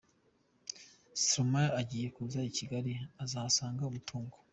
Stromae ugiye kuza i Kigali azahasanga umutungo.